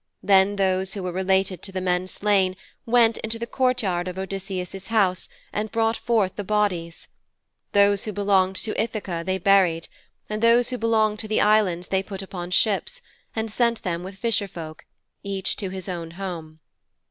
Then those who were related to the men slain went into the courtyard of Odysseus' house, and brought forth the bodies. Those who belonged to Ithaka they buried, and those who belonged to the Islands they put upon ships, and sent them with fisherfolk, each to his own home.